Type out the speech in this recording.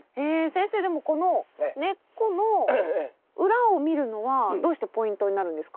先生でもこの根っこの裏を見るのはどうしてポイントになるんですか？